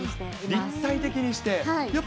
立体的にして。